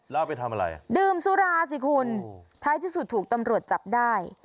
แล้วไปทำอะไรอ่ะดื่มสุราสิคุณท้ายที่สุดถูกตำรวจจับได้